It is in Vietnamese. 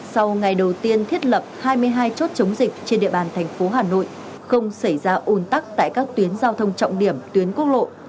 sau ngày đầu tiên thiết lập hai mươi hai chốt chống dịch trên địa bàn thành phố hà nội không xảy ra un tắc tại các tuyến giao thông trọng điểm tuyến quốc lộ